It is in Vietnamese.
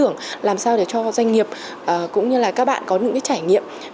để có những ý tưởng làm sao để cho doanh nghiệp cũng như là các bạn có những trải nghiệm